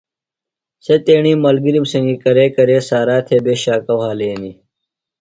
سےۡ تیݨی ملگِرِم سنگیۡ کرے کرے سارا تھےۡ بےۡ شاکہ وھالینیۡ۔